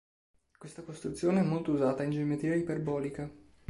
Questa costruzione è molto usata in geometria iperbolica.